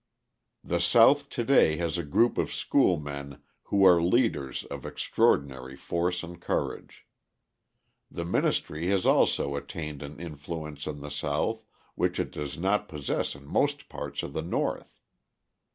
The South to day has a group of schoolmen who are leaders of extraordinary force and courage. The ministry has also attained an influence in the South which it does not possess in most parts of the North.